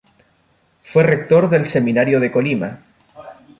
Fue rector del Seminario de Colima.